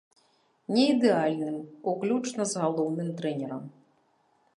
Не ідэальным, уключна з галоўным трэнерам.